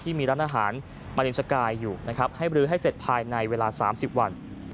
มีร้านอาหารมารินสกายอยู่นะครับให้บรื้อให้เสร็จภายในเวลา๓๐วัน